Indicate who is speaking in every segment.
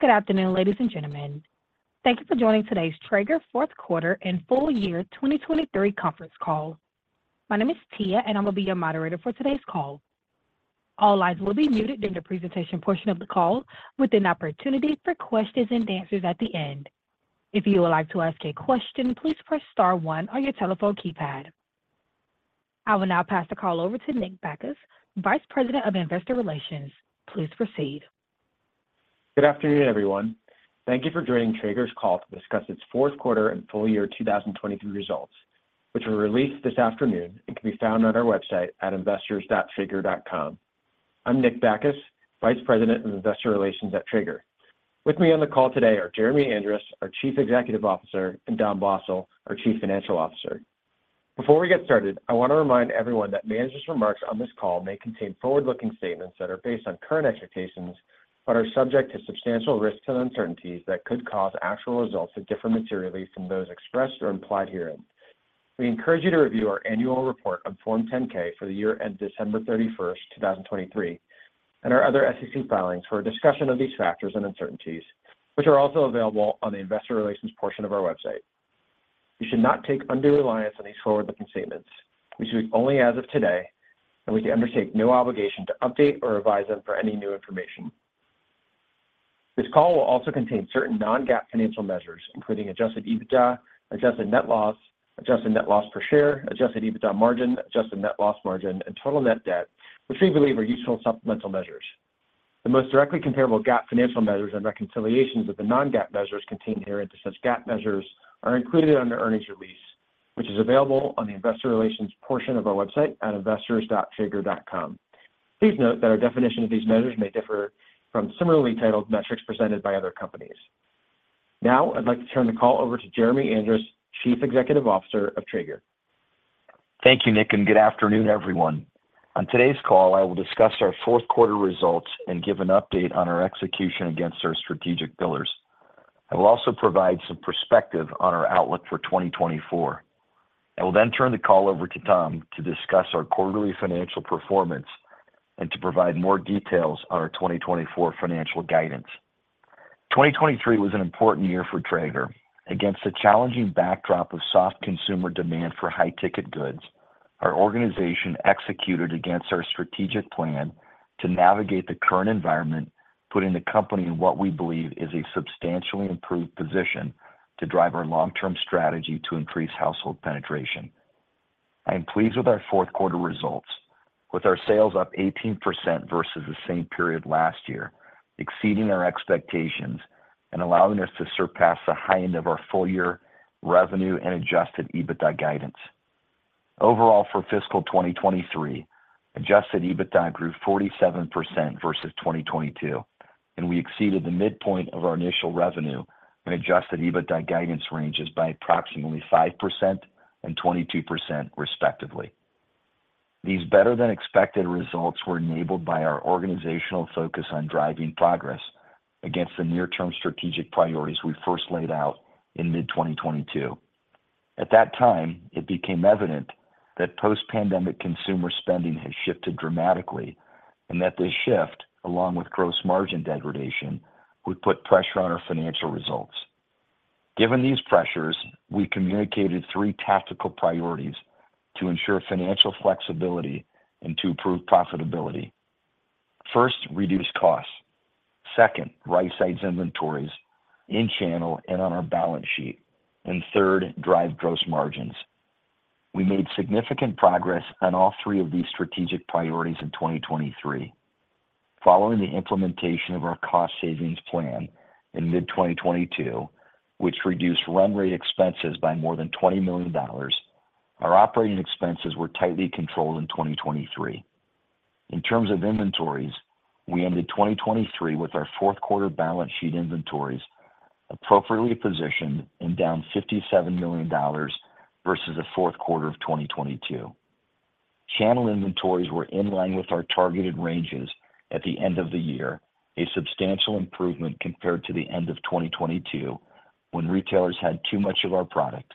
Speaker 1: Good afternoon, ladies and gentlemen. Thank you for joining today's Traeger Fourth Quarter and Full Year 2023 conference call. My name is Tia, and I'm going to be your moderator for today's call. All lines will be muted during the presentation portion of the call, with an opportunity for questions and answers at the end. If you would like to ask a question, please press star 1 on your telephone keypad. I will now pass the call over to Nick Bacchus, Vice President of Investor Relations. Please proceed.
Speaker 2: Good afternoon, everyone. Thank you for joining Traeger's call to discuss its fourth quarter and full year 2023 results, which were released this afternoon and can be found on our website at investors.traeger.com. I'm Nick Bacchus, Vice President of Investor Relations at Traeger. With me on the call today are Jeremy Andrus, our Chief Executive Officer, and Dom Blosil, our Chief Financial Officer. Before we get started, I want to remind everyone that managers' remarks on this call may contain forward-looking statements that are based on current expectations but are subject to substantial risks and uncertainties that could cause actual results to differ materially from those expressed or implied herein. We encourage you to review our annual report on Form 10-K for the year ended December 31st, 2023, and our other SEC filings for a discussion of these factors and uncertainties, which are also available on the Investor Relations portion of our website. You should not place undue reliance on these forward-looking statements. We speak only as of today, and we undertake no obligation to update or revise them for any new information. This call will also contain certain non-GAAP financial measures, including Adjusted EBITDA, Adjusted net loss, Adjusted net loss per share, Adjusted EBITDA margin, Adjusted net loss margin, and total net debt, which we believe are useful supplemental measures. The most directly comparable GAAP financial measures and reconciliations of the non-GAAP measures contained herein to such GAAP measures are included in our earnings release, which is available on the Investor Relations portion of our website at investors.traeger.com. Please note that our definition of these measures may differ from similarly titled metrics presented by other companies. Now, I'd like to turn the call over to Jeremy Andrus, Chief Executive Officer of Traeger.
Speaker 3: Thank you, Nick, and good afternoon, everyone. On today's call, I will discuss our fourth quarter results and give an update on our execution against our strategic pillars. I will also provide some perspective on our outlook for 2024. I will then turn the call over to Dom to discuss our quarterly financial performance and to provide more details on our 2024 financial guidance. 2023 was an important year for Traeger. Against the challenging backdrop of soft consumer demand for high-ticket goods, our organization executed against our strategic plan to navigate the current environment, putting the company in what we believe is a substantially improved position to drive our long-term strategy to increase household penetration. I am pleased with our fourth quarter results, with our sales up 18% versus the same period last year, exceeding our expectations and allowing us to surpass the high end of our full year revenue and adjusted EBITDA guidance. Overall, for fiscal 2023, adjusted EBITDA grew 47% versus 2022, and we exceeded the midpoint of our initial revenue and adjusted EBITDA guidance ranges by approximately 5% and 22%, respectively. These better-than-expected results were enabled by our organizational focus on driving progress against the near-term strategic priorities we first laid out in mid-2022. At that time, it became evident that post-pandemic consumer spending had shifted dramatically and that this shift, along with gross margin degradation, would put pressure on our financial results. Given these pressures, we communicated three tactical priorities to ensure financial flexibility and to improve profitability. First, reduce costs. Second, right-size inventories in channel and on our balance sheet. And third, drive gross margins. We made significant progress on all three of these strategic priorities in 2023. Following the implementation of our cost-savings plan in mid-2022, which reduced run-rate expenses by more than $20 million, our operating expenses were tightly controlled in 2023. In terms of inventories, we ended 2023 with our fourth quarter balance sheet inventories appropriately positioned and down $57 million versus the fourth quarter of 2022. Channel inventories were in line with our targeted ranges at the end of the year, a substantial improvement compared to the end of 2022 when retailers had too much of our product.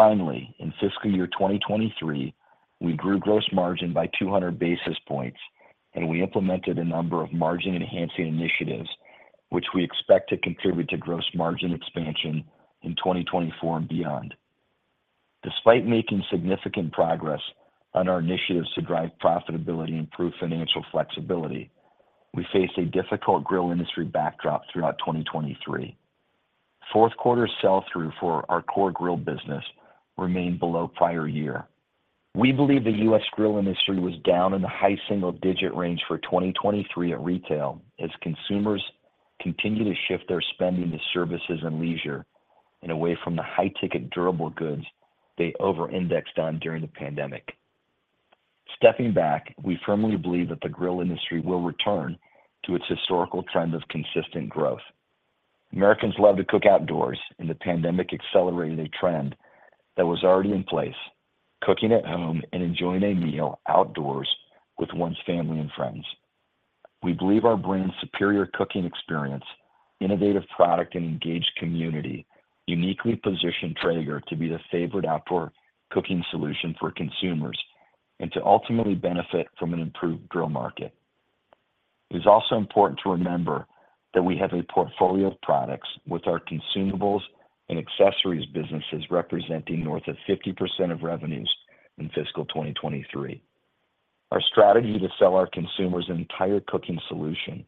Speaker 3: Finally, in fiscal year 2023, we grew gross margin by 200 basis points, and we implemented a number of margin-enhancing initiatives, which we expect to contribute to gross margin expansion in 2024 and beyond. Despite making significant progress on our initiatives to drive profitability and improve financial flexibility, we faced a difficult grill industry backdrop throughout 2023. Fourth quarter sell-through for our core grill business remained below prior year. We believe the U.S. grill industry was down in the high single-digit range for 2023 at retail as consumers continue to shift their spending to services and leisure and away from the high-ticket durable goods they over-indexed on during the pandemic. Stepping back, we firmly believe that the grill industry will return to its historical trend of consistent growth. Americans love to cook outdoors, and the pandemic accelerated a trend that was already in place: cooking at home and enjoying a meal outdoors with one's family and friends. We believe our brand's superior cooking experience, innovative product, and engaged community uniquely position Traeger to be the favorite outdoor cooking solution for consumers and to ultimately benefit from an improved grill market. It is also important to remember that we have a portfolio of products with our consumables and accessories businesses representing north of 50% of revenues in fiscal 2023. Our strategy to sell our consumers an entire cooking solution,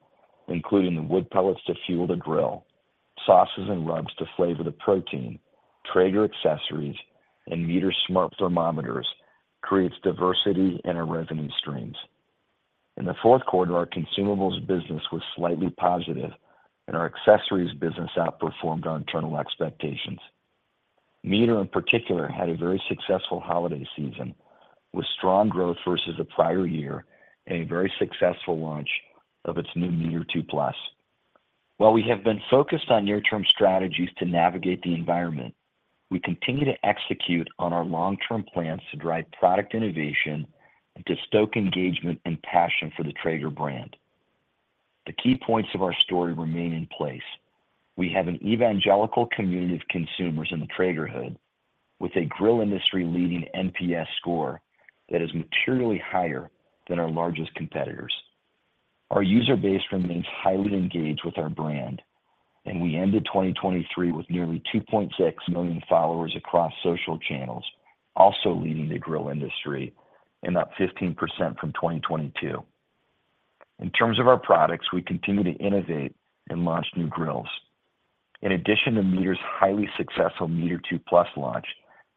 Speaker 3: including the wood pellets to fuel the grill, sauces and rubs to flavor the protein, Traeger accessories, and MEATER smart thermometers, creates diversity in our revenue streams. In the fourth quarter, our consumables business was slightly positive, and our accessories business outperformed our internal expectations. MEATER, in particular, had a very successful holiday season with strong growth versus the prior year and a very successful launch of its new MEATER 2 Plus. While we have been focused on near-term strategies to navigate the environment, we continue to execute on our long-term plans to drive product innovation and to stoke engagement and passion for the Traeger brand. The key points of our story remain in place. We have an evangelical community of consumers in the Traegerhood with a grill industry-leading NPS score that is materially higher than our largest competitors. Our user base remains highly engaged with our brand, and we ended 2023 with nearly 2.6 million followers across social channels, also leading the grill industry and up 15% from 2022. In terms of our products, we continue to innovate and launch new grills. In addition to MEATER's highly successful MEATER 2 Plus launch,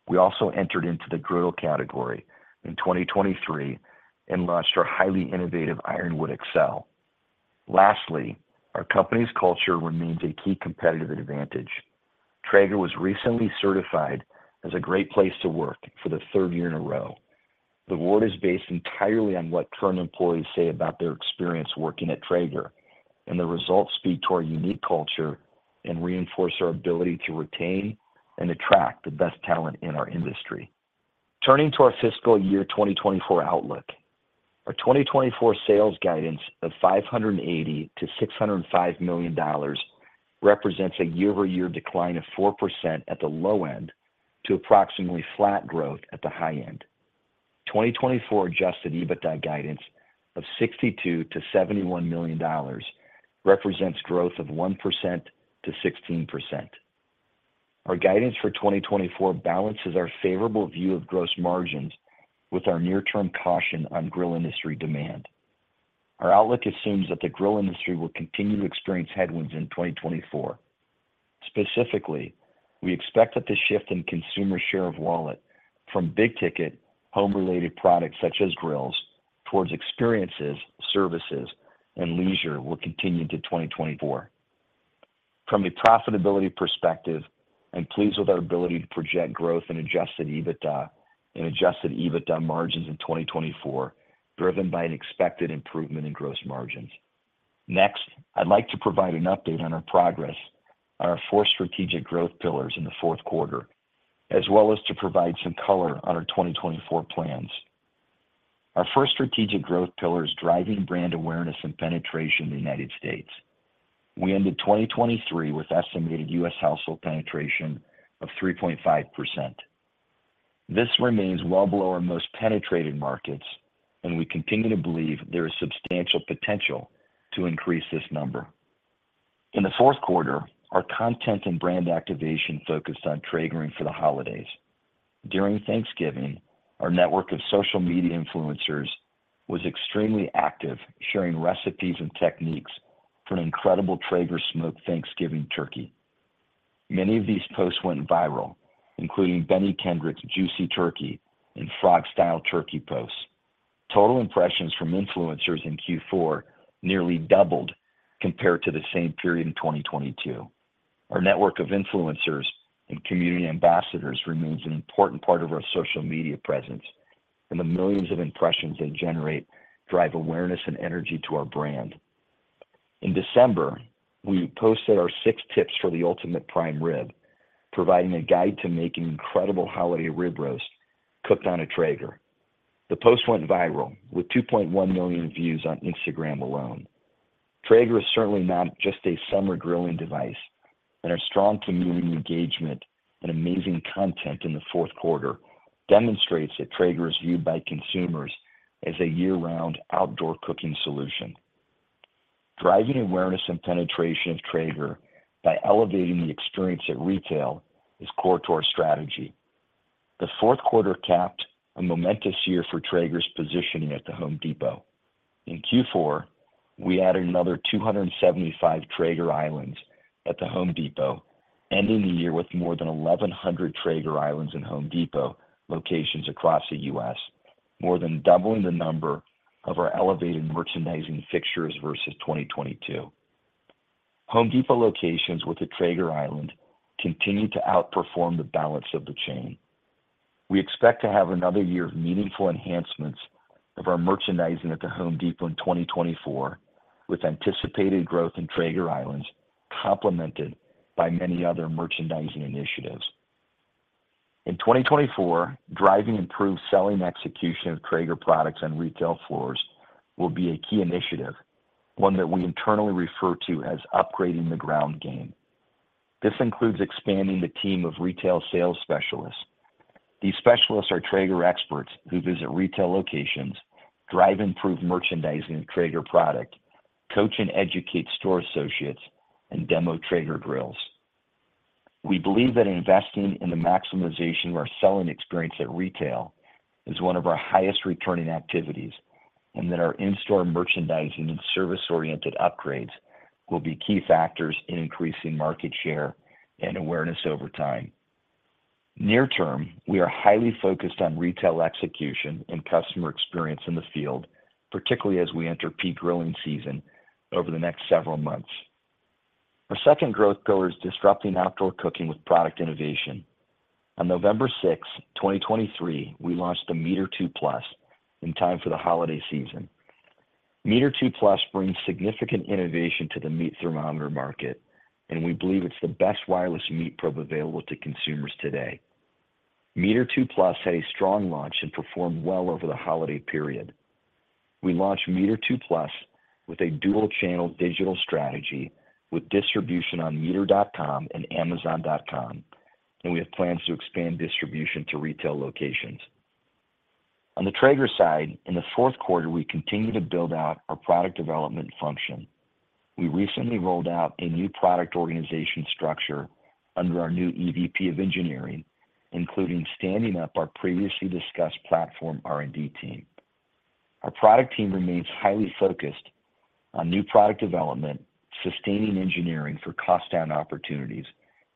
Speaker 3: we also entered into the griddle category in 2023 and launched our highly innovative Ironwood XL. Lastly, our company's culture remains a key competitive advantage. Traeger was recently certified as a great place to work for the third year in a row. The award is based entirely on what current employees say about their experience working at Traeger, and the results speak to our unique culture and reinforce our ability to retain and attract the best talent in our industry. Turning to our fiscal year 2024 outlook, our 2024 sales guidance of $580 million-$605 million represents a year-over-year decline of 4% at the low end to approximately flat growth at the high end. 2024 Adjusted EBITDA guidance of $62 million-$71 million represents growth of 1%-16%. Our guidance for 2024 balances our favorable view of gross margins with our near-term caution on grill industry demand. Our outlook assumes that the grill industry will continue to experience headwinds in 2024. Specifically, we expect that the shift in consumer share of wallet from big-ticket, home-related products such as grills towards experiences, services, and leisure will continue into 2024. From a profitability perspective, I'm pleased with our ability to project growth and Adjusted EBITDA and Adjusted EBITDA margins in 2024 driven by an expected improvement in gross margins. Next, I'd like to provide an update on our progress on our four strategic growth pillars in the fourth quarter, as well as to provide some color on our 2024 plans. Our first strategic growth pillar is driving brand awareness and penetration in the United States. We ended 2023 with estimated U.S. household penetration of 3.5%. This remains well below our most penetrated markets, and we continue to believe there is substantial potential to increase this number. In the fourth quarter, our content and brand activation focused on triggering for the holidays. During Thanksgiving, our network of social media influencers was extremely active sharing recipes and techniques for an incredible Traeger smoked Thanksgiving turkey. Many of these posts went viral, including Kendrick juicy turkey and frog-style turkey posts. Total impressions from influencers in Q4 nearly doubled compared to the same period in 2022. Our network of influencers and community ambassadors remains an important part of our social media presence, and the millions of impressions they generate drive awareness and energy to our brand. In December, we posted our six tips for the ultimate prime rib, providing a guide to making incredible holiday rib roast cooked on a Traeger. The post went viral with 2.1 million views on Instagram alone. Traeger is certainly not just a summer grilling device, and our strong community engagement and amazing content in the fourth quarter demonstrates that Traeger is viewed by consumers as a year-round outdoor cooking solution. Driving awareness and penetration of Traeger by elevating the experience at retail is core to our strategy. The fourth quarter capped a momentous year for Traeger's positioning at The Home Depot. In Q4, we added another 275 Traeger islands at The Home Depot, ending the year with more than 1,100 Traeger islands and Home Depot locations across the U.S., more than doubling the number of our elevated merchandising fixtures versus 2022. Home Depot locations with a Traeger island continue to outperform the balance of the chain. We expect to have another year of meaningful enhancements of our merchandising at The Home Depot in 2024, with anticipated growth in Traeger islands complemented by many other merchandising initiatives. In 2024, driving improved selling execution of Traeger products on retail floors will be a key initiative, one that we internally refer to as upgrading the ground game. This includes expanding the team of retail sales specialists. These specialists are Traeger experts who visit retail locations, drive improved merchandising of Traeger product, coach and educate store associates, and demo Traeger grills. We believe that investing in the maximization of our selling experience at retail is one of our highest-returning activities and that our in-store merchandising and service-oriented upgrades will be key factors in increasing market share and awareness over time. Near term, we are highly focused on retail execution and customer experience in the field, particularly as we enter peak grilling season over the next several months. Our second growth pillar is disrupting outdoor cooking with product innovation. On November 6, 2023, we launched the MEATER 2 Plus in time for the holiday season. MEATER 2 Plus brings significant innovation to the meat thermometer market, and we believe it's the best wireless meat probe available to consumers today. MEATER 2 Plus had a strong launch and performed well over the holiday period. We launched MEATER 2 Plus with a dual-channel digital strategy with distribution on meater.com and amazon.com, and we have plans to expand distribution to retail locations. On the Traeger side, in the fourth quarter, we continue to build out our product development function. We recently rolled out a new product organization structure under our new EVP of engineering, including standing up our previously discussed Platform R&D team. Our product team remains highly focused on new product development, sustaining engineering for cost-down opportunities,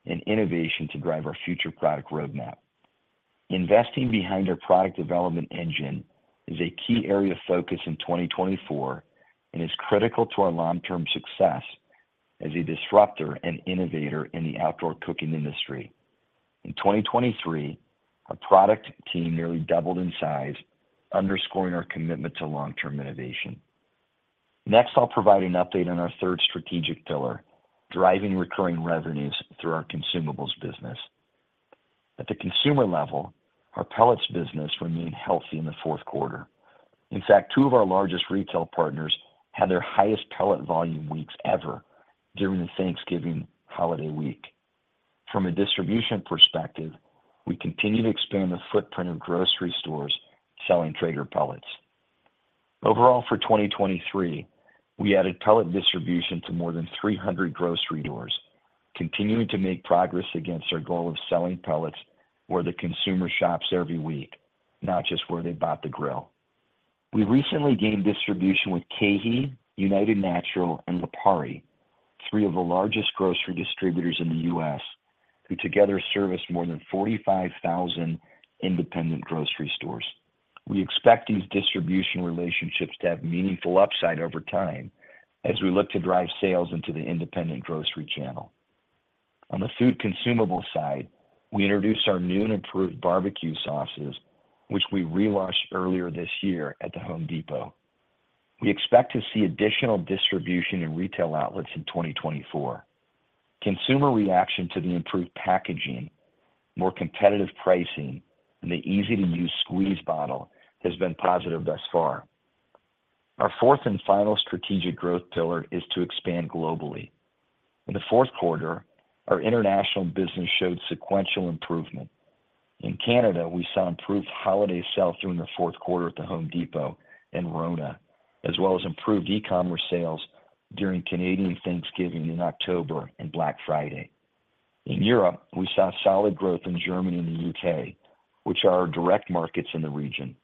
Speaker 3: and innovation to drive our future product roadmap. Investing behind our product development engine is a key area of focus in 2024 and is critical to our long-term success as a disruptor and innovator in the outdoor cooking industry. In 2023, our product team nearly doubled in size, underscoring our commitment to long-term innovation. Next, I'll provide an update on our third strategic pillar, driving recurring revenues through our consumables business. At the consumer level, our pellets business remained healthy in the fourth quarter. In fact, 2 of our largest retail partners had their highest pellet volume weeks ever during the Thanksgiving holiday week. From a distribution perspective, we continue to expand the footprint of grocery stores selling Traeger pellets. Overall, for 2023, we added pellet distribution to more than 300 grocery doors, continuing to make progress against our goal of selling pellets where the consumer shops every week, not just where they bought the grill. We recently gained distribution with KeHE, United Natural, and Lipari, three of the largest grocery distributors in the U.S., who together service more than 45,000 independent grocery stores. We expect these distribution relationships to have meaningful upside over time as we look to drive sales into the independent grocery channel. On the food consumable side, we introduced our new and improved barbecue sauces, which we relaunched earlier this year at The Home Depot. We expect to see additional distribution in retail outlets in 2024. Consumer reaction to the improved packaging, more competitive pricing, and the easy-to-use squeeze bottle has been positive thus far. Our fourth and final strategic growth pillar is to expand globally. In the fourth quarter, our international business showed sequential improvement. In Canada, we saw improved holiday sales during the fourth quarter at the Home Depot and RONA, as well as improved e-commerce sales during Canadian Thanksgiving in October and Black Friday. In Europe, we saw solid growth in Germany and the U.K., which are our direct markets in the region.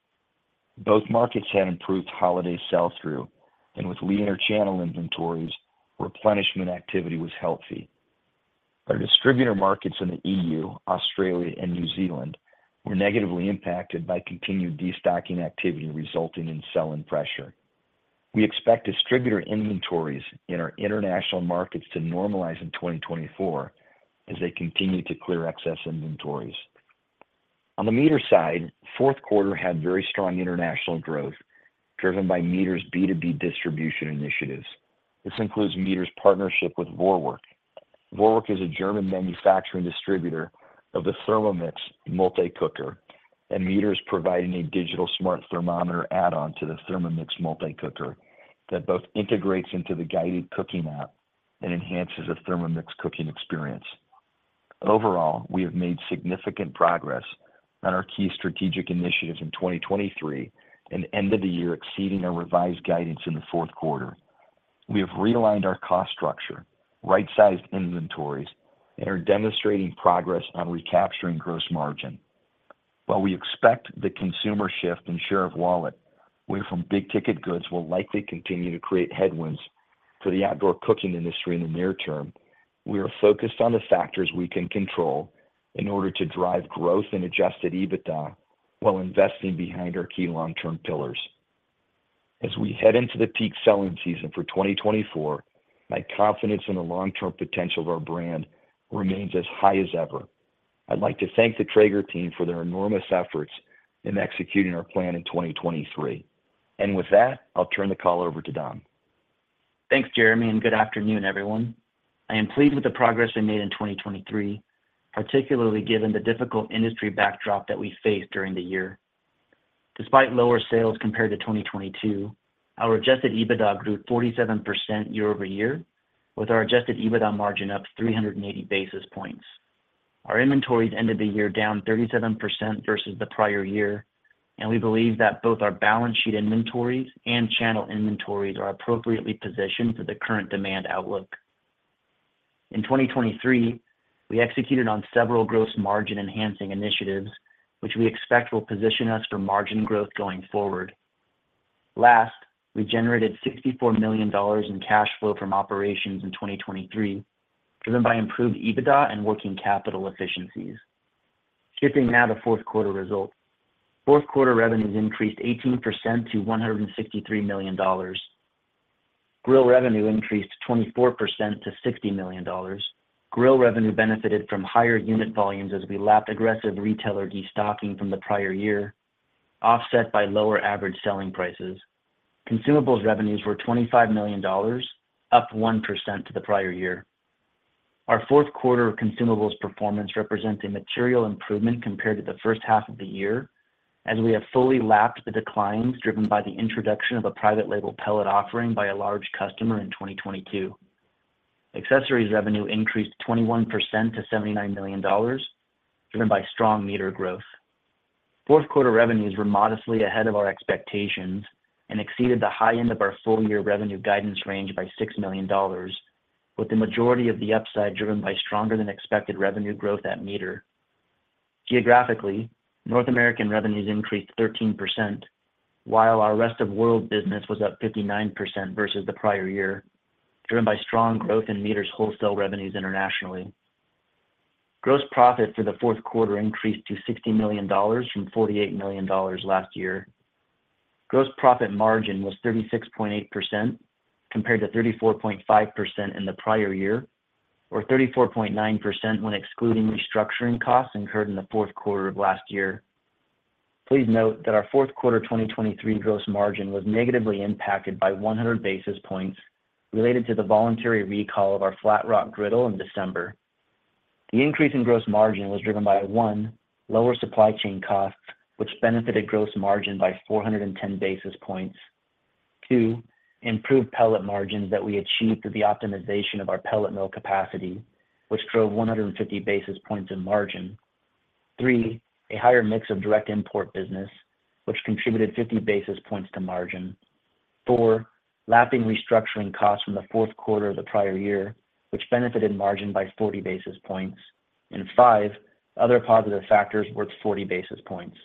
Speaker 3: Both markets had improved holiday sell-through, and with leaner channel inventories, replenishment activity was healthy. Our distributor markets in the E.U., Australia, and New Zealand were negatively impacted by continued destocking activity resulting in selling pressure. We expect distributor inventories in our international markets to normalize in 2024 as they continue to clear excess inventories. On the MEATER side, the fourth quarter had very strong international growth driven by MEATER's B2B distribution initiatives. This includes MEATER's partnership with Vorwerk. Vorwerk is a German manufacturing distributor of the Thermomix multicooker, and MEATER is providing a digital smart thermometer add-on to the Thermomix multicooker that both integrates into the guided cooking app and enhances the Thermomix cooking experience. Overall, we have made significant progress on our key strategic initiatives in 2023 and ended the year exceeding our revised guidance in the fourth quarter. We have realigned our cost structure, right-sized inventories, and are demonstrating progress on recapturing gross margin. While we expect the consumer shift in share of wallet, away from big-ticket goods will likely continue to create headwinds for the outdoor cooking industry in the near term, we are focused on the factors we can control in order to drive growth and Adjusted EBITDA while investing behind our key long-term pillars. As we head into the peak selling season for 2024, my confidence in the long-term potential of our brand remains as high as ever. I'd like to thank the Traeger team for their enormous efforts in executing our plan in 2023. And with that, I'll turn the call over to Dom.
Speaker 2: Thanks, Jeremy, and good afternoon, everyone. I am pleased with the progress we made in 2023, particularly given the difficult industry backdrop that we faced during the year. Despite lower sales compared to 2022, our Adjusted EBITDA grew 47% year-over-year, with our Adjusted EBITDA margin up 380 basis points. Our inventories ended the year down 37% versus the prior year, and we believe that both our balance sheet inventories and channel inventories are appropriately positioned for the current demand outlook. In 2023, we executed on several gross margin-enhancing initiatives, which we expect will position us for margin growth going forward. Last, we generated $64 million in cash flow from operations in 2023, driven by improved EBITDA and working capital efficiencies. Shifting now to fourth quarter results. Fourth quarter revenues increased 18% to $163 million. Grill revenue increased 24% to $60 million. Grill revenue benefited from higher unit volumes as we lapped aggressive retailer destocking from the prior year, offset by lower average selling prices. Consumables revenues were $25 million, up 1% to the prior year. Our fourth quarter consumables performance represents a material improvement compared to the first half of the year, as we have fully lapped the declines driven by the introduction of a private-label pellet offering by a large customer in 2022. Accessories revenue increased 21% to $79 million, driven by strong MEATER growth. Fourth quarter revenues were modestly ahead of our expectations and exceeded the high end of our full-year revenue guidance range by $6 million, with the majority of the upside driven by stronger-than-expected revenue growth at MEATER. Geographically, North American revenues increased 13%, while our rest of world business was up 59% versus the prior year, driven by strong growth in MEATER's wholesale revenues internationally. Gross profit for the fourth quarter increased to $60 million from $48 million last year. Gross profit margin was 36.8% compared to 34.5% in the prior year, or 34.9% when excluding restructuring costs incurred in the fourth quarter of last year. Please note that our fourth quarter 2023 gross margin was negatively impacted by 100 basis points related to the voluntary recall of our Flatrock griddle in December. The increase in gross margin was driven by: 1) lower supply chain costs, which benefited gross margin by 410 basis points. 2) improved pellet margins that we achieved through the optimization of our pellet mill capacity, which drove 150 basis points in margin. 3) a higher mix of direct import business, which contributed 50 basis points to margin. 4) lapping restructuring costs from the fourth quarter of the prior year, which benefited margin by 40 basis points. And 5) other positive factors worth 40 basis points.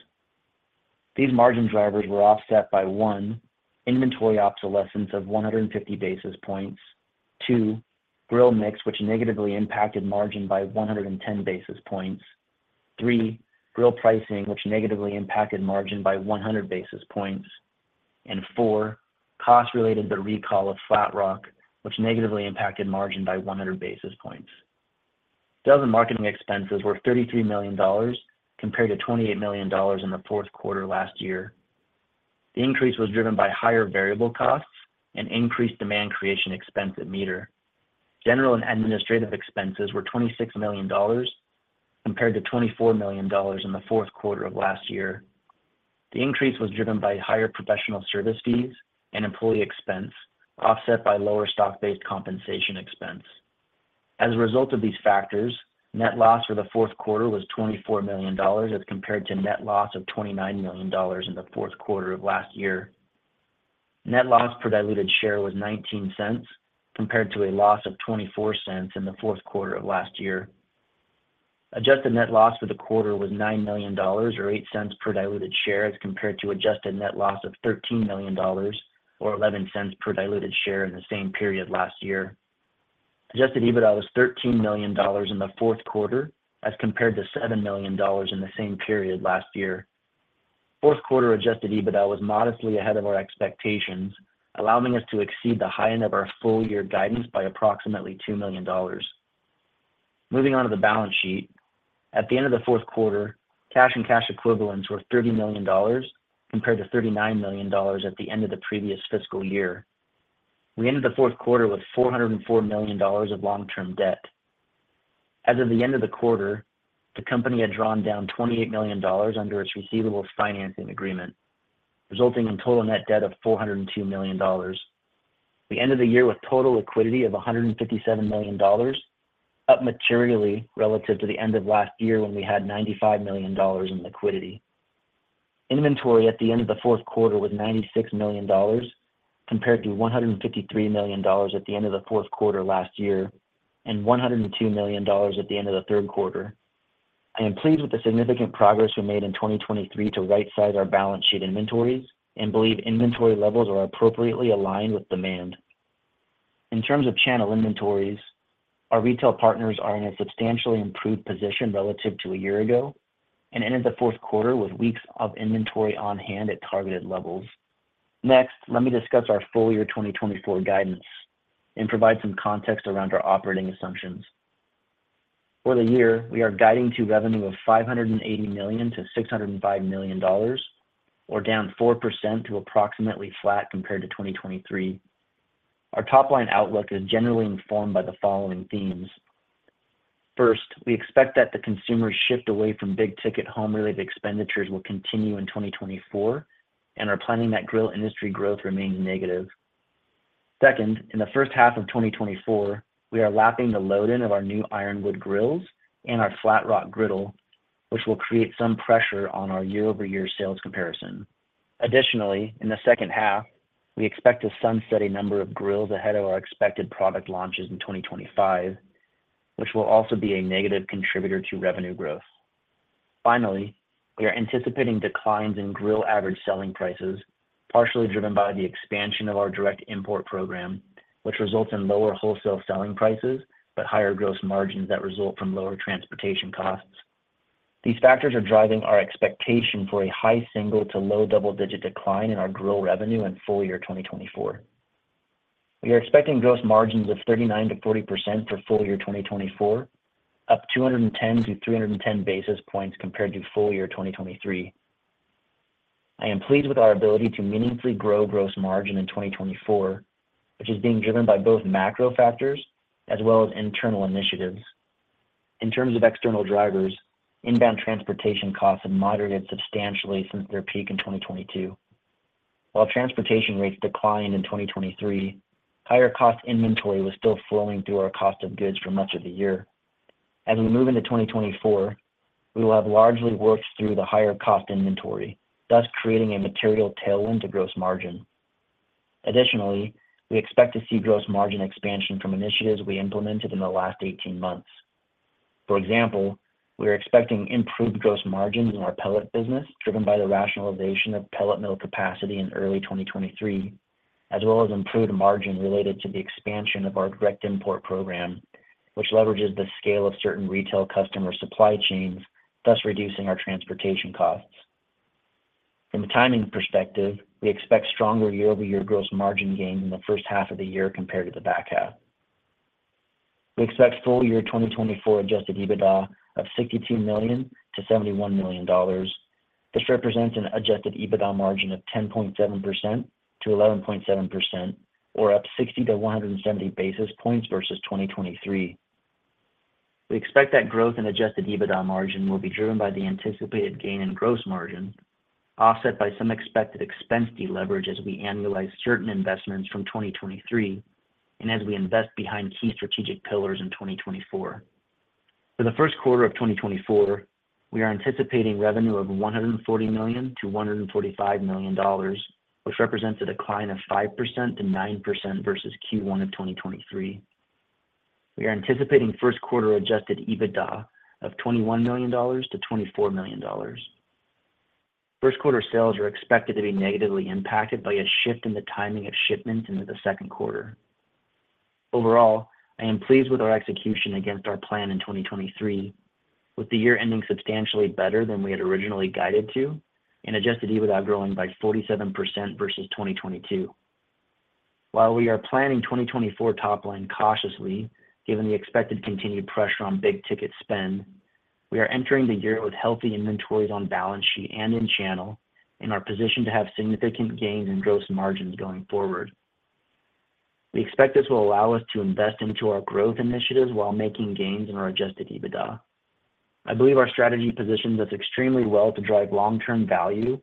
Speaker 2: These margin drivers were offset by: 1) inventory obsolescence of 150 basis points. 2) grill mix, which negatively impacted margin by 110 basis points. 3) grill pricing, which negatively impacted margin by 100 basis points. And 4) costs related to the recall of Flatrock, which negatively impacted margin by 100 basis points. Sales and marketing expenses were $33 million compared to $28 million in the fourth quarter last year. The increase was driven by higher variable costs and increased demand creation expense at MEATER. General and administrative expenses were $26 million compared to $24 million in the fourth quarter of last year. The increase was driven by higher professional service fees and employee expense, offset by lower stock-based compensation expense. As a result of these factors, net loss for the fourth quarter was $24 million as compared to net loss of $29 million in the fourth quarter of last year. Net loss per diluted share was $0.19 compared to a loss of $0.24 in the fourth quarter of last year. Adjusted net loss for the quarter was $9 million or $0.08 per diluted share as compared to adjusted net loss of $13 million or $0.11 per diluted share in the same period last year. Adjusted EBITDA was $13 million in the fourth quarter as compared to $7 million in the same period last year. Fourth quarter adjusted EBITDA was modestly ahead of our expectations, allowing us to exceed the high end of our full-year guidance by approximately $2 million. Moving on to the balance sheet. At the end of the fourth quarter, cash and cash equivalents were $30 million compared to $39 million at the end of the previous fiscal year. We ended the fourth quarter with $404 million of long-term debt. As of the end of the quarter, the company had drawn down $28 million under its receivables financing agreement, resulting in total net debt of $402 million. We ended the year with total liquidity of $157 million, up materially relative to the end of last year when we had $95 million in liquidity. Inventory at the end of the fourth quarter was $96 million compared to $153 million at the end of the fourth quarter last year and $102 million at the end of the third quarter. I am pleased with the significant progress we made in 2023 to right-size our balance sheet inventories and believe inventory levels are appropriately aligned with demand. In terms of channel inventories, our retail partners are in a substantially improved position relative to a year ago and ended the fourth quarter with weeks of inventory on hand at targeted levels. Next, let me discuss our full-year 2024 guidance and provide some context around our operating assumptions. For the year, we are guiding to revenue of $580 million-$605 million, or down 4% to approximately flat compared to 2023. Our top-line outlook is generally informed by the following themes. First, we expect that the consumer's shift away from big-ticket home-related expenditures will continue in 2024, and are planning that grill industry growth remains negative. Second, in the first half of 2024, we are lapping the load-in of our new Ironwood grills and our Flatrock griddle, which will create some pressure on our year-over-year sales comparison. Additionally, in the second half, we expect a sunsetting number of grills ahead of our expected product launches in 2025, which will also be a negative contributor to revenue growth. Finally, we are anticipating declines in grill average selling prices, partially driven by the expansion of our direct import program, which results in lower wholesale selling prices but higher gross margins that result from lower transportation costs. These factors are driving our expectation for a high single to low double-digit decline in our grill revenue in full-year 2024. We are expecting gross margins of 39%-40% for full-year 2024, up 210-310 basis points compared to full-year 2023. I am pleased with our ability to meaningfully grow gross margin in 2024, which is being driven by both macro factors as well as internal initiatives. In terms of external drivers, inbound transportation costs have moderated substantially since their peak in 2022. While transportation rates declined in 2023, higher cost inventory was still flowing through our cost of goods for much of the year. As we move into 2024, we will have largely worked through the higher cost inventory, thus creating a material tailwind to gross margin. Additionally, we expect to see gross margin expansion from initiatives we implemented in the last 18 months. For example, we are expecting improved gross margins in our pellet business driven by the rationalization of pellet mill capacity in early 2023, as well as improved margin related to the expansion of our direct import program, which leverages the scale of certain retail customer supply chains, thus reducing our transportation costs. From a timing perspective, we expect stronger year-over-year gross margin gains in the first half of the year compared to the back half. We expect full-year 2024 Adjusted EBITDA of $62 million-$71 million. This represents an Adjusted EBITDA margin of 10.7%-11.7%, or up 60 to 170 basis points versus 2023. We expect that growth in Adjusted EBITDA margin will be driven by the anticipated gain in gross margin, offset by some expected expense deleverage as we annualize certain investments from 2023 and as we invest behind key strategic pillars in 2024. For the first quarter of 2024, we are anticipating revenue of $140 million-$145 million, which represents a decline of 5%-9% versus Q1 of 2023. We are anticipating first-quarter Adjusted EBITDA of $21 million-$24 million. First-quarter sales are expected to be negatively impacted by a shift in the timing of shipments into the second quarter. Overall, I am pleased with our execution against our plan in 2023, with the year ending substantially better than we had originally guided to and Adjusted EBITDA growing by 47% versus 2022. While we are planning 2024 top-line cautiously, given the expected continued pressure on big-ticket spend, we are entering the year with healthy inventories on balance sheet and in channel and are positioned to have significant gains in gross margins going forward. We expect this will allow us to invest into our growth initiatives while making gains in our Adjusted EBITDA. I believe our strategy positions us extremely well to drive long-term value,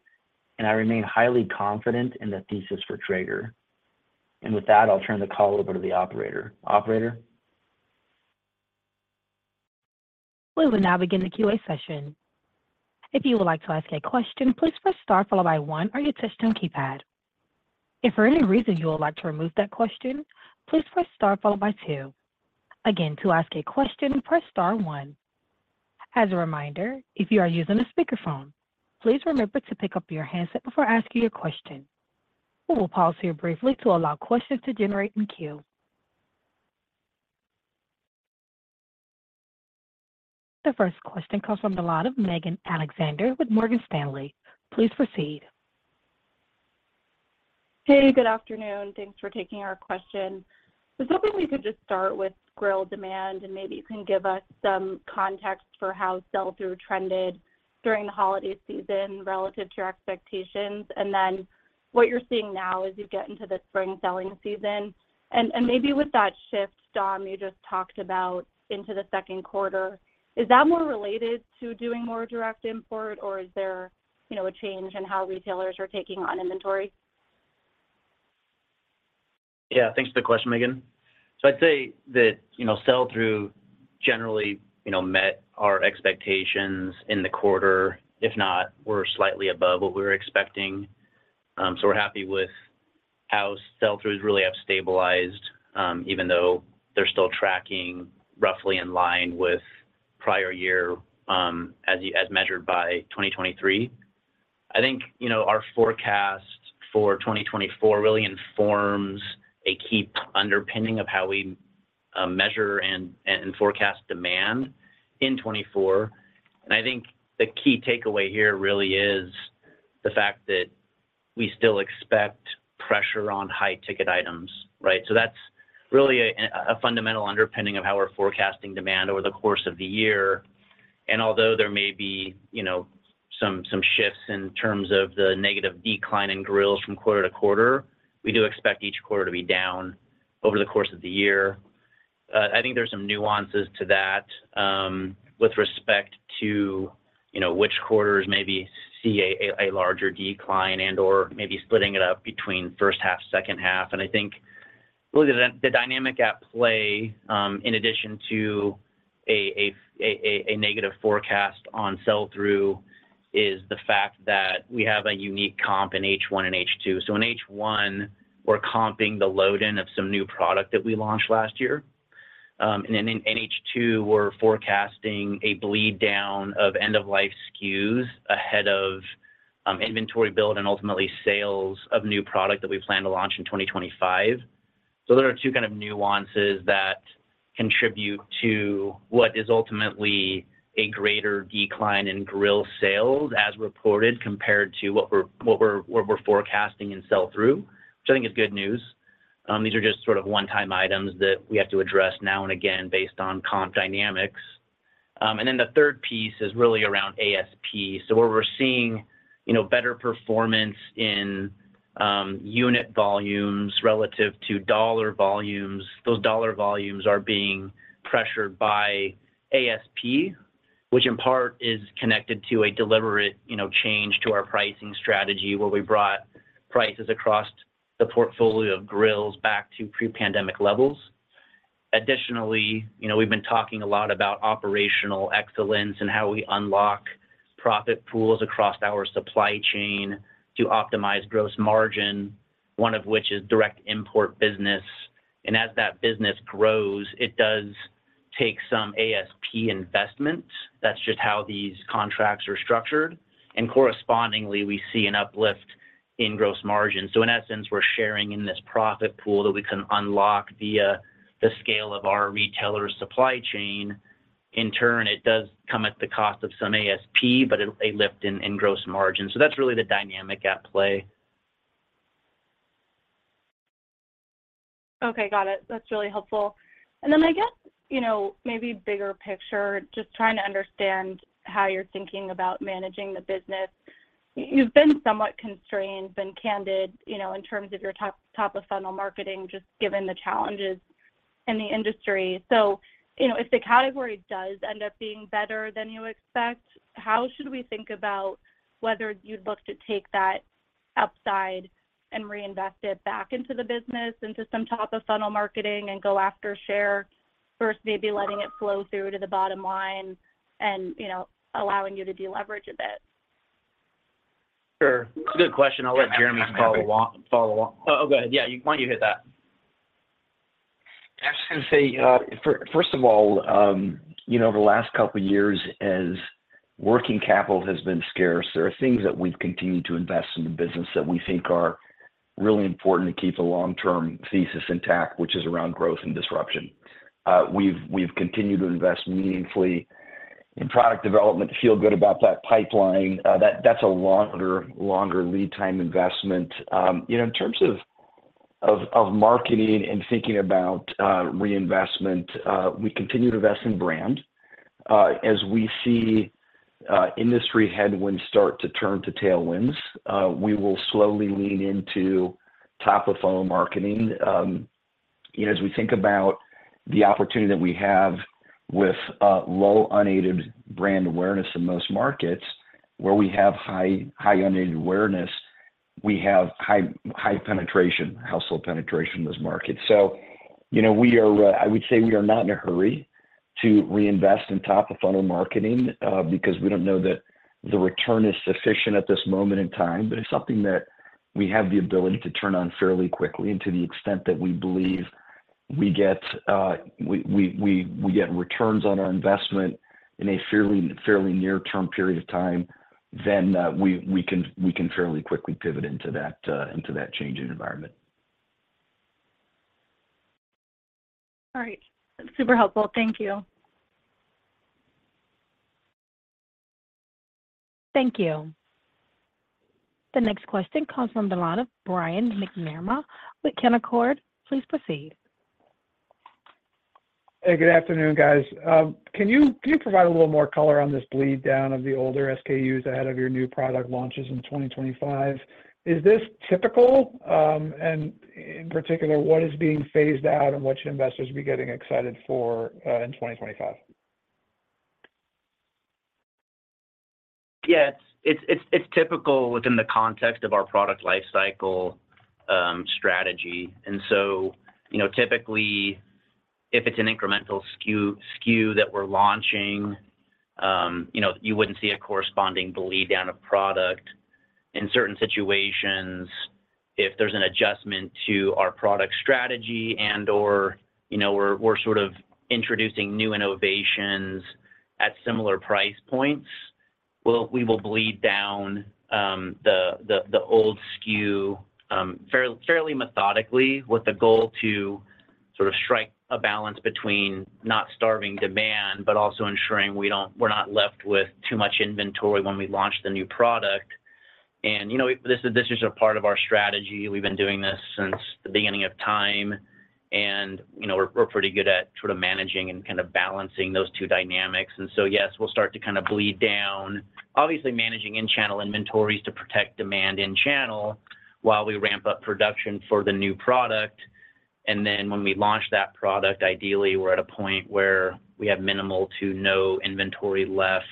Speaker 2: and I remain highly confident in the thesis for Traeger. With that, I'll turn the call over to the operator. Operator?
Speaker 1: We will now begin the QA session. If you would like to ask a question, please press star followed by 1 on your touchscreen keypad. If for any reason you would like to remove that question, please press star followed by 2. Again, to ask a question, press star 1. As a reminder, if you are using a speakerphone, please remember to pick up your handset before asking your question. We will pause here briefly to allow questions to generate in queue. The first question comes from the line of Megan Alexander with Morgan Stanley. Please proceed.
Speaker 4: Hey, good afternoon. Thanks for taking our question. I was hoping we could just start with grill demand, and maybe you can give us some context for how sell-through trended during the holiday season relative to your expectations. And then what you're seeing now as you get into the spring selling season, and maybe with that shift, Dom, you just talked about into the second quarter, is that more related to doing more direct import, or is there a change in how retailers are taking on inventory?
Speaker 5: Yeah, thanks for the question, Megan. So I'd say that sell-through generally met our expectations in the quarter, if not, were slightly above what we were expecting. So we're happy with how sell-throughs really have stabilized, even though they're still tracking roughly in line with prior year as measured by 2023. I think our forecast for 2024 really informs a key underpinning of how we measure and forecast demand in 2024. And I think the key takeaway here really is the fact that we still expect pressure on high-ticket items, right? So that's really a fundamental underpinning of how we're forecasting demand over the course of the year. And although there may be some shifts in terms of the negative decline in grills from quarter to quarter, we do expect each quarter to be down over the course of the year. I think there's some nuances to that with respect to which quarters maybe see a larger decline and/or maybe splitting it up between first half, second half. And I think really the dynamic at play, in addition to a negative forecast on sell-through, is the fact that we have a unique comp in H1 and H2. So in H1, we're comping the load-in of some new product that we launched last year. And then in H2, we're forecasting a bleed-down of end-of-life SKUs ahead of inventory build and ultimately sales of new product that we plan to launch in 2025. So there are two kind of nuances that contribute to what is ultimately a greater decline in grill sales as reported compared to what we're forecasting in sell-through, which I think is good news. These are just sort of one-time items that we have to address now and again based on comp dynamics. Then the third piece is really around ASP. Where we're seeing better performance in unit volumes relative to dollar volumes, those dollar volumes are being pressured by ASP, which in part is connected to a deliberate change to our pricing strategy where we brought prices across the portfolio of grills back to pre-pandemic levels. Additionally, we've been talking a lot about operational excellence and how we unlock profit pools across our supply chain to optimize gross margin, one of which is direct import business. As that business grows, it does take some ASP investment. That's just how these contracts are structured. Correspondingly, we see an uplift in gross margin. So in essence, we're sharing in this profit pool that we can unlock via the scale of our retailer supply chain. In turn, it does come at the cost of some ASP, but a lift in gross margin. So that's really the dynamic at play.
Speaker 4: Okay, got it. That's really helpful. And then I guess maybe bigger picture, just trying to understand how you're thinking about managing the business. You've been somewhat constrained, been candid in terms of your top-of-funnel marketing, just given the challenges in the industry. So if the category does end up being better than you expect, how should we think about whether you'd look to take that upside and reinvest it back into the business, into some top-of-funnel marketing, and go after share versus maybe letting it flow through to the bottom line and allowing you to deleverage a bit?
Speaker 5: Sure. It's a good question. I'll let Jeremy follow along. Oh, go ahead. Yeah, why don't you hit that?
Speaker 3: I was going to say, first of all, over the last couple of years, as working capital has been scarce, there are things that we've continued to invest in the business that we think are really important to keep a long-term thesis intact, which is around growth and disruption. We've continued to invest meaningfully in product development, feel good about that pipeline. That's a longer lead-time investment. In terms of marketing and thinking about reinvestment, we continue to invest in brand. As we see industry headwinds start to turn to tailwinds, we will slowly lean into top-of-funnel marketing. As we think about the opportunity that we have with low unaided brand awareness in most markets, where we have high unaided awareness, we have high household penetration in those markets. I would say we are not in a hurry to reinvest in top-of-funnel marketing because we don't know that the return is sufficient at this moment in time. It's something that we have the ability to turn on fairly quickly. To the extent that we believe we get returns on our investment in a fairly near-term period of time, then we can fairly quickly pivot into that change in environment.
Speaker 4: All right. That's super helpful. Thank you.
Speaker 3: Thank you. The next question comes from the line of Brian McNamara with Canaccord Genuity. Please proceed.
Speaker 6: Hey, good afternoon, guys. Can you provide a little more color on this bleed-down of the older SKUs ahead of your new product launches in 2025? Is this typical? And in particular, what is being phased out and what should investors be getting excited for in 2025?
Speaker 5: Yeah, it's typical within the context of our product lifecycle strategy. And so typically, if it's an incremental SKU that we're launching, you wouldn't see a corresponding bleed-down of product. In certain situations, if there's an adjustment to our product strategy and/or we're sort of introducing new innovations at similar price points, we will bleed down the old SKU fairly methodically with the goal to sort of strike a balance between not starving demand but also ensuring we're not left with too much inventory when we launch the new product. And this is just a part of our strategy. We've been doing this since the beginning of time, and we're pretty good at sort of managing and kind of balancing those two dynamics. And so yes, we'll start to kind of bleed down, obviously managing in-channel inventories to protect demand in-channel while we ramp up production for the new product. And then when we launch that product, ideally, we're at a point where we have minimal to no inventory left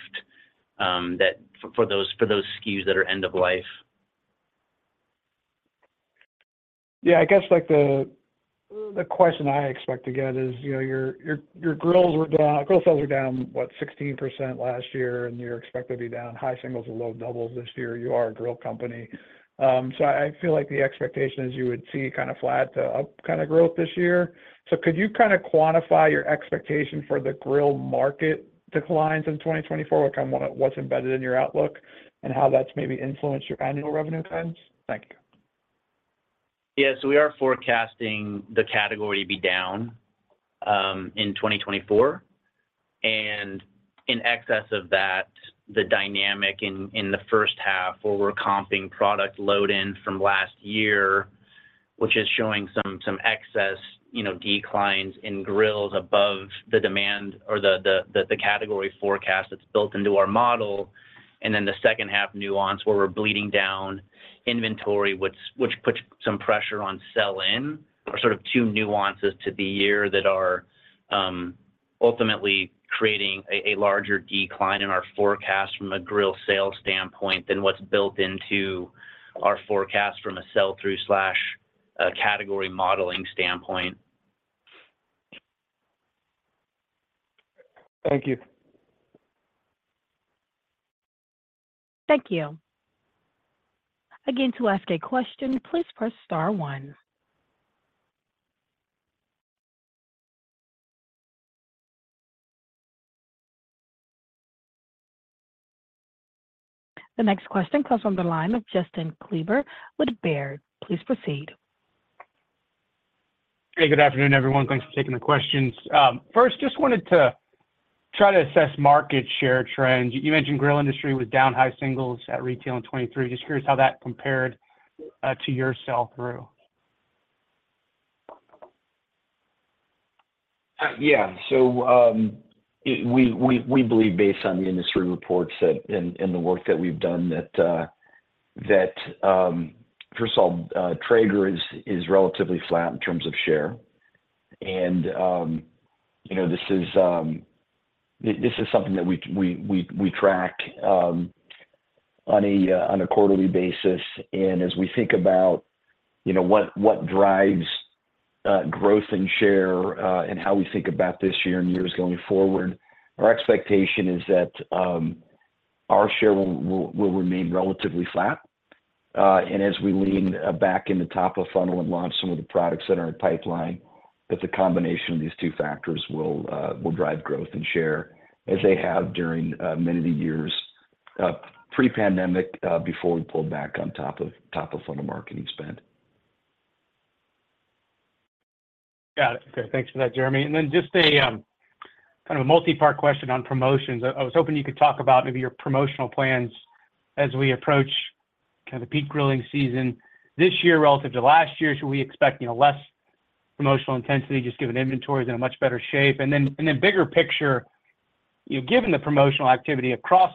Speaker 5: for those SKUs that are end of life.
Speaker 6: Yeah, I guess the question I expect to get is your grill sales were down, what, 16% last year, and you're expected to be down high singles and low doubles this year. You are a grill company. So I feel like the expectation is you would see kind of flat to up kind of growth this year. So could you kind of quantify your expectation for the grill market declines in 2024, what's embedded in your outlook, and how that's maybe influenced your annual revenue trends? Thank you.
Speaker 5: Yeah, so we are forecasting the category to be down in 2024. In excess of that, the dynamic in the first half where we're comping product load-in from last year, which is showing some excess declines in grills above the demand or the category forecast that's built into our model, and then the second-half nuance where we're bleeding down inventory, which puts some pressure on sell-in, are sort of two nuances to the year that are ultimately creating a larger decline in our forecast from a grill sales standpoint than what's built into our forecast from a sell-through/category modeling standpoint.
Speaker 6: Thank you.
Speaker 1: Thank you. Again, to ask a question, please press star 1. The next question comes from the line of Justin Kleber with Baird. Please proceed.
Speaker 7: Hey, good afternoon, everyone. Thanks for taking the questions. First, just wanted to try to assess market share trends. You mentioned grill industry was down high singles at retail in 2023. Just curious how that compared to your sell-through?
Speaker 3: Yeah. So we believe, based on the industry reports and the work that we've done, that first of all, Traeger is relatively flat in terms of share. And this is something that we track on a quarterly basis. And as we think about what drives growth in share and how we think about this year and years going forward, our expectation is that our share will remain relatively flat. And as we lean back into top-of-funnel and launch some of the products that are in our pipeline, that the combination of these two factors will drive growth in share as they have during many of the years pre-pandemic before we pulled back on top-of-funnel marketing spend.
Speaker 7: Got it. Okay. Thanks for that, Jeremy. And then just kind of a multi-part question on promotions. I was hoping you could talk about maybe your promotional plans as we approach kind of the peak grilling season this year relative to last year. Should we expect less promotional intensity, just given inventory is in a much better shape? And then bigger picture, given the promotional activity across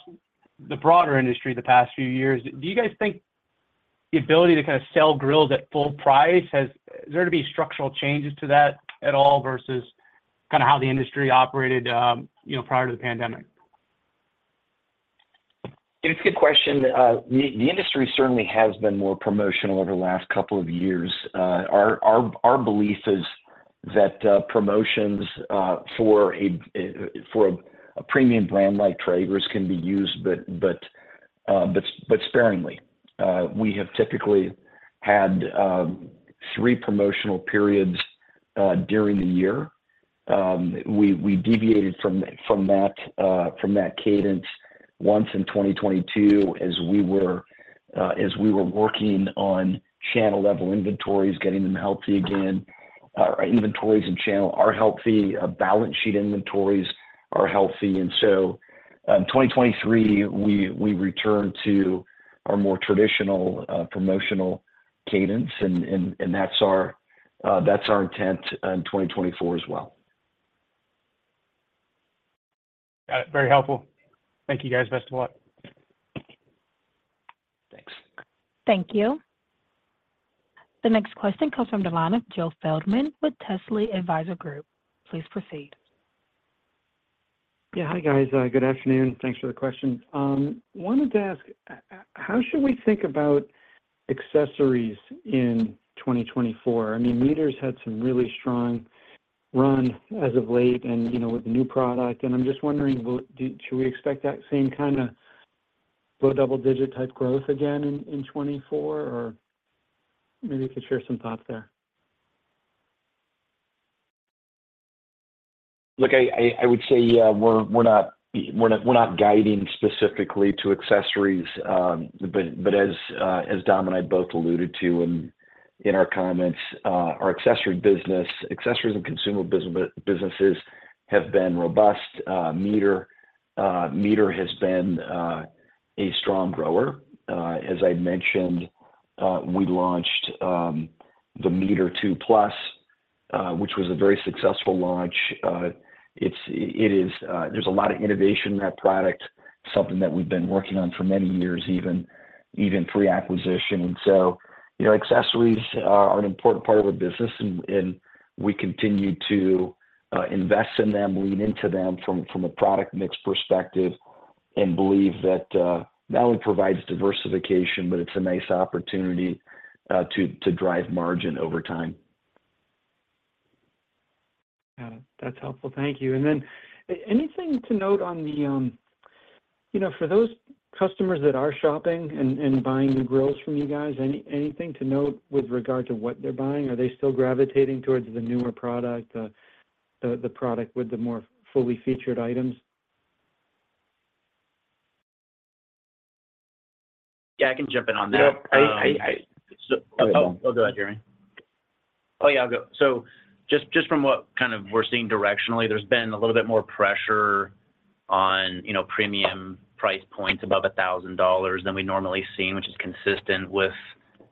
Speaker 7: the broader industry the past few years, do you guys think the ability to kind of sell grills at full price, is there going to be structural changes to that at all versus kind of how the industry operated prior to the pandemic?
Speaker 3: It's a good question. The industry certainly has been more promotional over the last couple of years. Our belief is that promotions for a premium brand like Traeger's can be used, but sparingly. We have typically had 3 promotional periods during the year. We deviated from that cadence once in 2022 as we were working on channel-level inventories, getting them healthy again. Our inventories in channel are healthy. Balance sheet inventories are healthy. And so in 2023, we returned to our more traditional promotional cadence. That's our intent in 2024 as well.
Speaker 7: Got it. Very helpful. Thank you guys. Best of luck.
Speaker 3: Thanks.
Speaker 1: Thank you. The next question comes from the line of Joe Feldman with Telsey Advisory Group. Please proceed.
Speaker 8: Yeah, hi guys. Good afternoon. Thanks for the question. I wanted to ask, how should we think about accessories in 2024? I mean, MEATER's had some really strong run as of late with the new product. And I'm just wondering, should we expect that same kind of low double-digit type growth again in 2024, or maybe you could share some thoughts there?
Speaker 3: Look, I would say we're not guiding specifically to accessories. But as Dom and I both alluded to in our comments, our accessory business, accessories and consumables businesses have been robust. MEATER has been a strong grower. As I mentioned, we launched the MEATER 2 Plus, which was a very successful launch. There's a lot of innovation in that product, something that we've been working on for many years, even pre-acquisition. And so accessories are an important part of our business, and we continue to invest in them, lean into them from a product mix perspective, and believe that not only provides diversification, but it's a nice opportunity to drive margin over time.
Speaker 7: Got it. That's helpful. Thank you. Then anything to note on the for those customers that are shopping and buying new grills from you guys, anything to note with regard to what they're buying? Are they still gravitating towards the newer product, the product with the more fully featured items?
Speaker 5: Yeah, I can jump in on that. Oh, go ahead, Jeremy. Oh, yeah, I'll go. So just from what kind of we're seeing directionally, there's been a little bit more pressure on premium price points above $1,000 than we'd normally seen, which is consistent with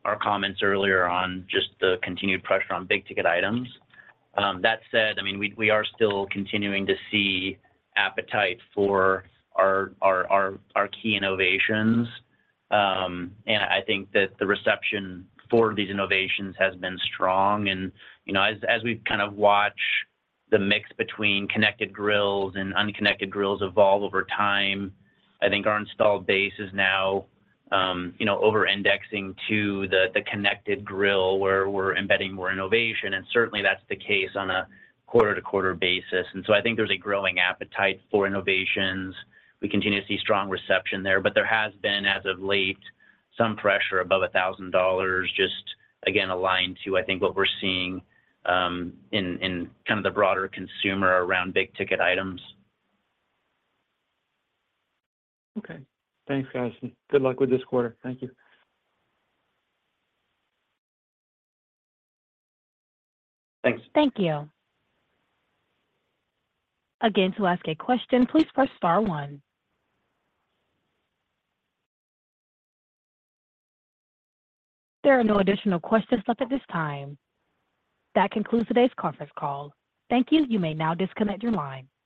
Speaker 5: our comments earlier on just the continued pressure on big-ticket items. That said, I mean, we are still continuing to see appetite for our key innovations. And I think that the reception for these innovations has been strong. And as we kind of watch the mix between connected grills and unconnected grills evolve over time, I think our installed base is now over-indexing to the connected grill where we're embedding more innovation. And certainly, that's the case on a quarter-to-quarter basis. And so I think there's a growing appetite for innovations. We continue to see strong reception there. There has been, as of late, some pressure above $1,000, just again, aligned to, I think, what we're seeing in kind of the broader consumer around big-ticket items.
Speaker 6: Okay. Thanks, guys. Good luck with this quarter. Thank you.
Speaker 5: Thanks.
Speaker 3: Thank you. Again, to ask a question, please press star 1. There are no additional questions left at this time. That concludes today's conference call. Thank you. You may now disconnect your line.